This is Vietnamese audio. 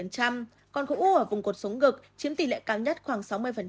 còn khối u ở vùng cột sống ngực chiếm tỷ lệ cao nhất khoảng sáu mươi